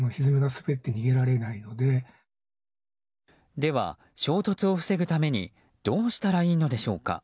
では衝突を防ぐためにどうしたらいいのでしょうか。